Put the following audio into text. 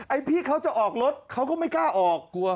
ไอ้พี่เขาจะออกรถเขาก็ไม่กล้าออก